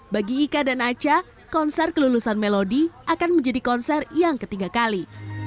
bagi ika dan aca konser kelulusan melodi akan menjadi konser yang ketiga kali